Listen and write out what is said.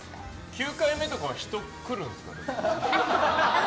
９回目とかは人来るんですか？